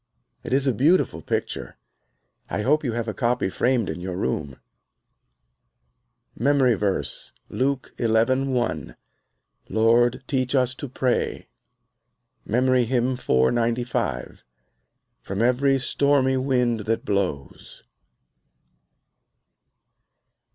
It is a beautiful picture. I hope you have a copy framed in your room. MEMORY VERSE, Luke 11: 1 "Lord, teach us to pray." MEMORY HYMN _"From every stormy wind that blows."